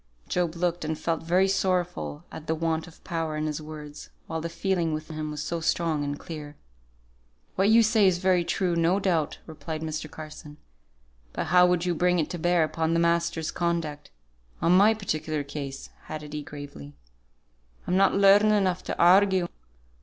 Job looked and felt very sorrowful at the want of power in his words, while the feeling within him was so strong and clear. "What you say is very true, no doubt," replied Mr. Carson; "but how would you bring it to bear upon the masters' conduct, on my particular case?" added he, gravely. "I'm not learned enough to argue.